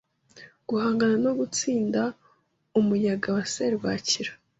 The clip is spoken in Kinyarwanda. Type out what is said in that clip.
guhangana no gutsinda umuyaga wa serwakira